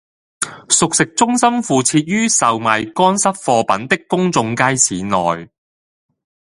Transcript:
熟食中心附設於售賣乾濕貨品的公眾街市內